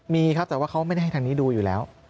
มีครับแต่ว่าเขาไม่ได้ให้ทางนี้ดูอยู่แล้ว